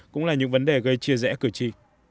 cũng là những vấn đề gây chia rẽ cử tri